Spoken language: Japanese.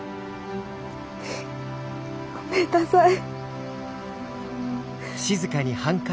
ごめんなさい。